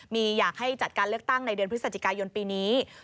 มีอยากให้จัดการเลือกตั้งในเดือนพฤศจิกายนปีนี้